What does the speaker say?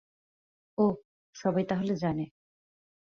ও, সবাই তাহলে জানে।